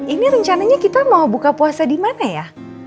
ini rencananya kita mau buka puasa dimana ya